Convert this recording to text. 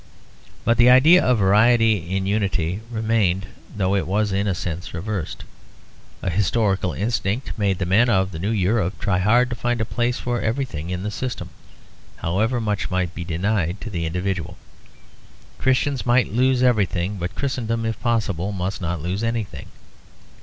But the idea of variety in unity remained though it was in a sense reversed. A historical instinct made the men of the new Europe try hard to find a place for everything in the system, however much might be denied to the individual. Christians might lose everything, but Christendom, if possible, must not lose anything.